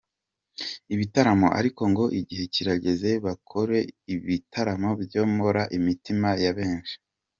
ibitaramo, ariko ngo igihe kirageze bakore ibitaramo byomora imitima ya benshi.